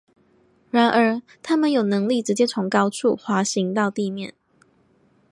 然而它们有能力直接从高处滑行到地面。